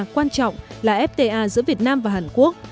quan trọng là fta giữa việt nam và hàn quốc